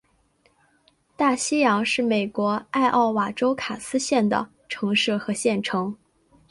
大西洋是美国艾奥瓦州卡斯县的城市和县城。